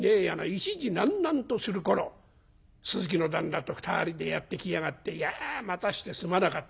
１時なんなんとする頃鈴木の旦那と２人でやって来やがって『いや待たしてすまなかった。